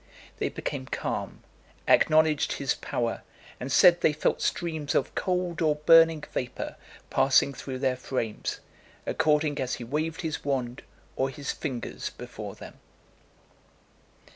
They became calm, acknowledged his power, and said they felt streams of cold or burning vapour passing through their frames, according as he waved his wand or his fingers before them.